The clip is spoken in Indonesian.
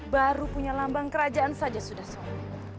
baru punya lambang kerajaan saja sudah solid